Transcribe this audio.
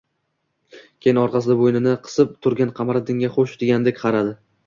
Keyin orqasida bo‘ynini qisib turgan Qamariddinga “Xo‘sh”, degandek qaradi